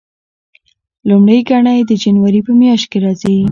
لومړۍ ګڼه یې د جنوري په میاشت کې راځي.